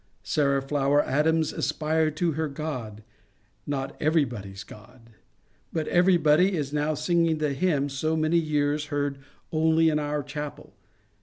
Sarah Flower Adams aspired to her God, not everybody's God ; but everybody is now singing the hymn so many years heard only in our chapel.